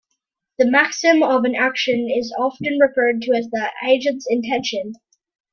The maxim of an action is often referred to as the agent's intention.